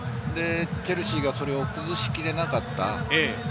チェルシーがそれを崩し切れなかった。